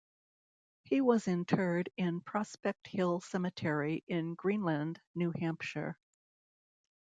He was interred in Prospect Hill Cemetery in Greenland, New Hampshire.